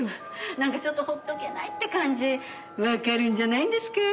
なんかちょっと放っておけないって感じわかるんじゃないんですか？